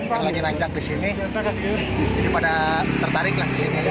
kalau nyerangjak disini jadi pada tertarik lah disini